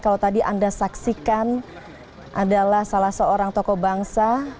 kalau tadi anda saksikan adalah salah seorang tokoh bangsa